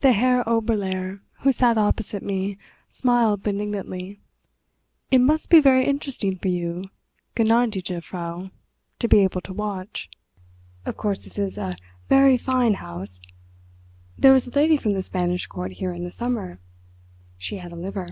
The Herr Oberlehrer, who sat opposite me, smiled benignantly. "It must be very interesting for you, gnädige Frau, to be able to watch... of course this is a very fine house. There was a lady from the Spanish Court here in the summer; she had a liver.